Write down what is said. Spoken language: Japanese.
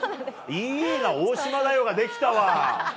いいな「大島だよ！」ができたわ。